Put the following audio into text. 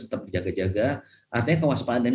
tetap dijaga jaga artinya kewaspadaan